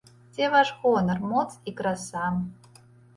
Дзе ваш гонар, моц і краса?